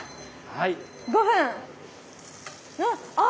はい。